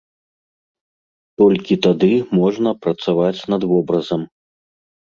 Толькі тады можна працаваць над вобразам.